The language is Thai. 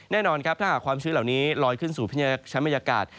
แน่นอนครับถ้าหากความชื้นเหล่านี้ลอยขึ้นสู่ชั้นบรรยากาศ